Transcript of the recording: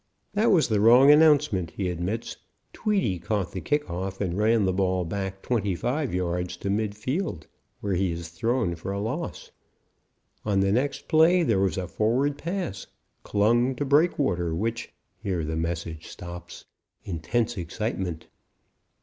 "That was the wrong announcement," he admits. "Tweedy caught the kick off and ran the ball back twenty five yards to midfield, where he is thrown for a loss. On the next play there was a forward pass, Klung to Breakwater, which " Here the message stops. Intense excitement.